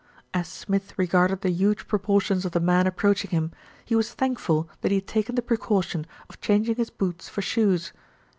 As Smith regarded the huge proportions of the man approaching him, he was thankful that he had taken the precaution of changing his boots for shoes.